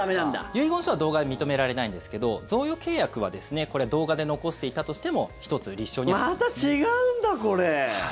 遺言書は動画で認められないんですけど贈与契約はこれ、動画で残していたとしてもまた違うんだ、これ。